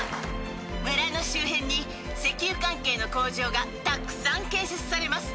村の周辺に石油関係の工場がたくさん建設されます。